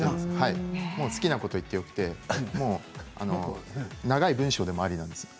好きなことを言ってよくて長い文章でもありなんです。